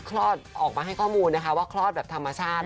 ออกมาให้ข้อมูลนะคะว่าคลอดแบบธรรมชาติ